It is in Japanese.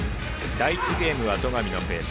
第１ゲームは戸上のペース。